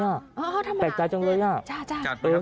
อ๋อทำไมแปลกใจจังเลยอ่ะจัดไปแล้ว